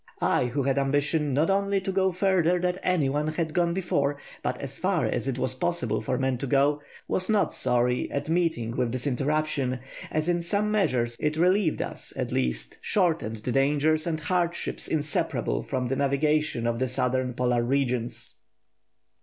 I, who had ambition, not only to go further than any one had gone before, but as far as it was possible for man to go, was not sorry at meeting with this interruption, as in some measure it relieved us, at least, shortened the dangers and hardships inseparable from the navigation of the southern polar regions."